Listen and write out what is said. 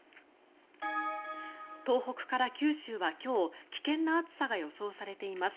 東北から九州は今日危険な暑さが予想されています。